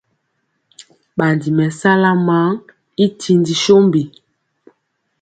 Ɓandi mɛsala maŋ i tindi sombi.